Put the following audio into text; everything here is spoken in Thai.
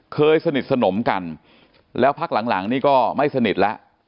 สนิทสนมกันแล้วพักหลังนี่ก็ไม่สนิทแล้ว